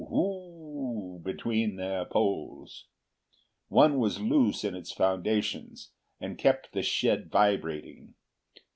whoo! between their poles. One was loose in its foundations and kept the shed vibrating.